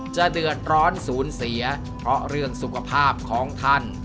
จะเดือดร้อนศูนย์เสียเพราะเรื่องสุขภาพของท่าน